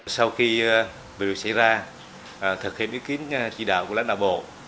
sau khi việc xảy ra thực hiện ý kiến chỉ đạo của lãnh đạo bộ